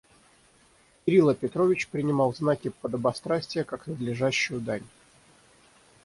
Кирила Петрович принимал знаки подобострастия как надлежащую дань.